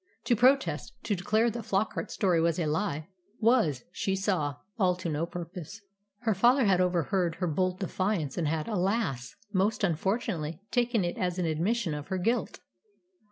To protest, to declare that Flockart's story was a lie, was, she saw, all to no purpose. Her father had overheard her bold defiance and had, alas! most unfortunately taken it as an admission of her guilt.